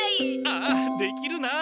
ああできるな！